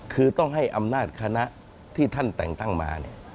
คือต้องให้อำนาจคณะที่ท่านแต่งตั้งมา